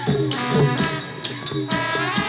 โอ้โหโอ้โหโอ้โหโอ้โห